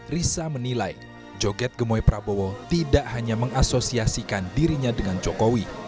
risa menilai joget gemoy prabowo tidak hanya mengasosiasikan dirinya dengan jokowi